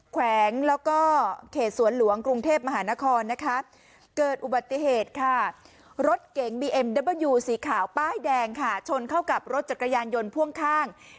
แขกสวนหลวงกรุงเทพมหานครเกิดอุบัติเหตุค่ะ